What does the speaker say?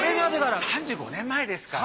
３５年前ですから。